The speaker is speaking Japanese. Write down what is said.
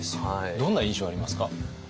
どんな印象ありますか？